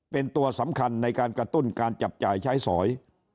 เป็นตัวสำคัญในการกระตุ้นการจับจ่ายใช้สอย